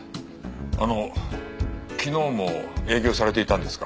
あの昨日も営業されていたんですか？